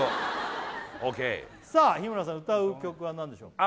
ＯＫさあ日村さん歌う曲は何でしょうか？